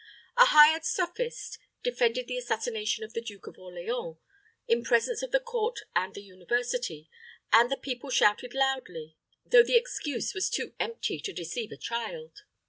A hired sophist defended the assassination of the Duke of Orleans, in presence of the court and the university, and the people shouted loudly, though the excuse was too empty to deceive a child.